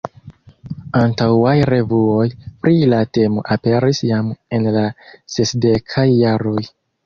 Antaŭaj revuoj pri la temo aperis jam en la sesdekaj jaroj.